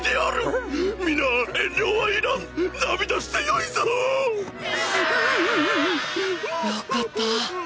よかった。